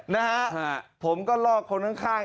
นะฮะผมก็ลอกคนข้าง